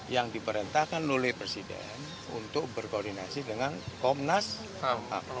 yang diperintahkan oleh presiden untuk berkoordinasi dengan komnas ham